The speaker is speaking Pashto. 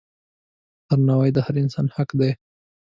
درناوی د هر انسان حق دی.